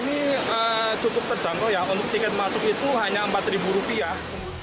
ini cukup terjangkau ya untuk tiket masuk itu hanya empat rupiah